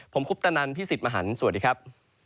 ผมคุปตะนันพี่สิทธิ์มหันฯสวัสดีครับ